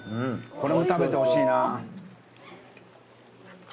これも食べてほしいな。